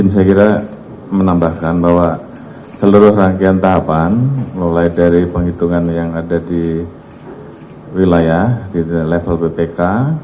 saya kira menambahkan bahwa seluruh rangkaian tahapan mulai dari penghitungan yang ada di wilayah di level bpk